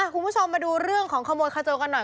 คุณผู้ชมมาดูเรื่องของขโมยขโจนกันหน่อย